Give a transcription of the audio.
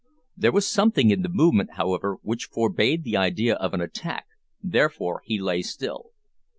There was something in the movement, however, which forbade the idea of an attack, therefore he lay still.